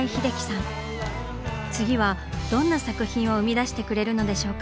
次はどんな作品を生み出してくれるのでしょうか？